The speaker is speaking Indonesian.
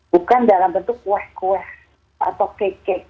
bukan dalam bentuk kueh kueh atau cake cake